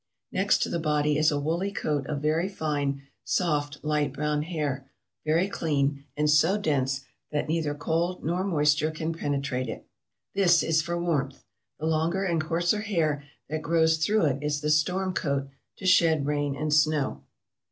Next to the body is a woolly coat of very fine, soft, light brown hair, very clean, and so dense that neither cold nor moisture can penetrate it. This is for warmth. The longer and coarser hair that grows through it is the storm coat to shed rain and snow."